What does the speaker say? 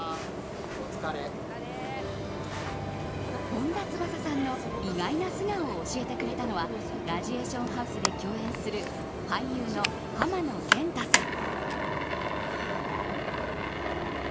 本田翼さんの意外な素顔を教えてくれたのは「ラジエーションハウス」で共演する俳優の浜野謙太さん。